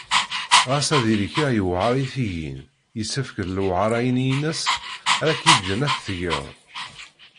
Ɣas ad yili kra yewεer i tigin, yessefk d lewεara-nni-ines ara k-yeǧǧen ad t-tgeḍ.